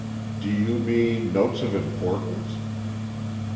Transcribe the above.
"Do you mean notes of importance?"